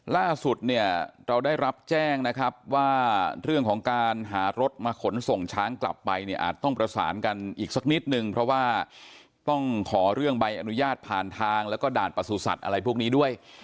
ล่าสุดเนี่ยเราได้รับแจ้งนะครับว่าเรื่องของการหารถมาขนส่งช้างกลับไปเนี่ยอาจต้องประสานกันอีกสักนิดนึงเพราะว่าต้องขอเรื่องใบอนุญาตผ่านทางแล้วก็ด่านประสุทธิ์อะไรพวกนี้ด้วย